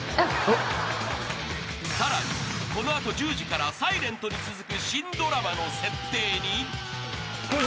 ［さらにこの後１０時から『ｓｉｌｅｎｔ』に続く新ドラマの設定に］